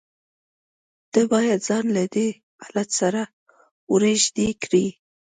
ته بايد ځان له دې حالت سره روږدى کړې.